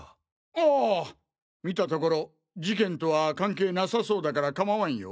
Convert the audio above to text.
ああ見たところ事件とは関係なさそうだからかまわんよ。